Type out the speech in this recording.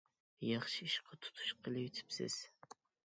ياخشى ئىشقا تۇتۇش قىلىۋېتىپسىز.